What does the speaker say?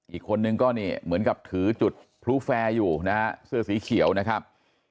อีกคนนึงก็นี่เหมือนกับถือจุดพลุแฟร์อยู่นะฮะเสื้อสีเขียวนะครับ